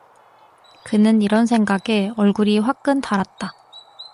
그는 이런 생각에 얼굴이 화끈 달았다.